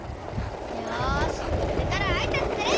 よしこれからはあいさつする！